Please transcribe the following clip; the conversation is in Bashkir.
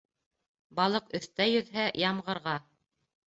Балыҡ өҫтә йөҙһә ямғырға.